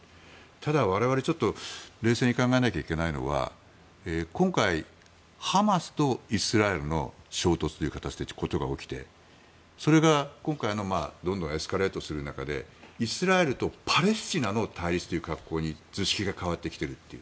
ただ、我々ちょっと冷静に考えなきゃいけないのは今回、ハマスとイスラエルの衝突という形で事が起きて、それが今回のどんどんエスカレートする中でイスラエルとパレスチナの対立という格好に図式が変わってきているという。